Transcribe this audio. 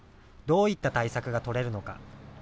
どういった対策が取れるのか。